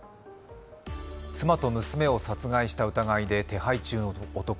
妻と娘を殺害した疑いで手配中の男。